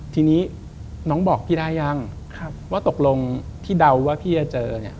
ทีนี้น้องบอกพี่ได้ยังว่าตกลงที่เดาว่าพี่จะเจอเนี่ย